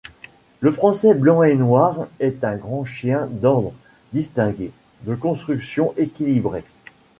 Le français blanc et noir est un grand chien d'ordre, distingué, de construction équilibrée.